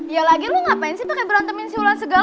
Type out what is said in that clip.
ya lagi lu ngapain sih pake berantemin si wulan segala